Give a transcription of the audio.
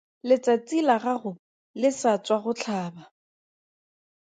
Letsatsi la gago le sa tswa go tlhaba.